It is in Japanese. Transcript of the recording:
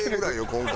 今回。